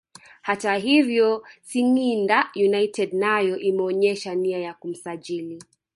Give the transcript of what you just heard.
Hata hivyo Singida United nayo imeonyesha nia ya kumsajili